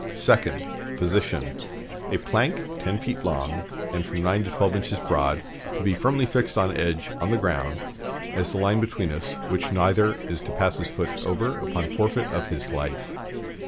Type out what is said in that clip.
"Second. Position: A plank ten feet long, and from nine to twelve inches broad, to be firmly fixed on edge, on the ground, as the line between us, which neither is to pass his foot over upon forfeit of his life.